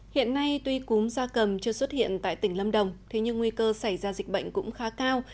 hiện nay tuy cúm gia cầm chưa xuất hiện tại tỉnh lâm đồng thế nhưng nguy cơ xảy ra dịch bệnh cũng khá cao